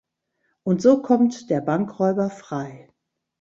Und so kommt der Bankräuber frei.